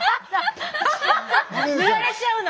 塗られちゃうの？